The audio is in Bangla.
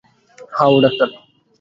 হ্যাঁ, ডাক্তার!